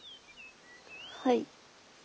はい。